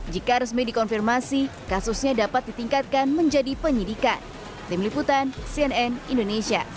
jika resmi dikonfirmasi kasusnya dapat ditingkatkan menjadi penyidikan